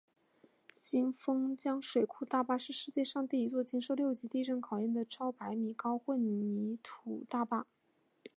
新丰江水库大坝是世界上第一座经受六级地震考验的超百米高混凝土大坝。